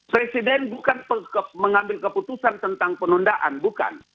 presiden bukan mengambil keputusan tentang penundaan bukan